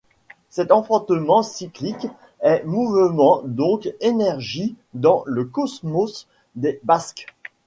Cet enfantement cyclique est mouvement, donc énergie dans le Cosmos des Basques.